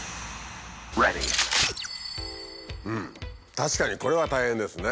確かにこれは大変ですね。